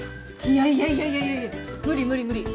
いやいやいや無理無理無理。